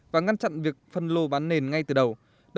và ngăn chặn việc phân lô bán nền ngay từ đầu